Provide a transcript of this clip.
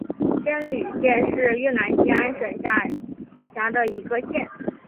仙侣县是越南兴安省下辖的一个县。